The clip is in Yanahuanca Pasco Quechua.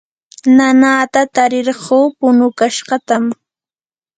nanata tarirquu punukashqatam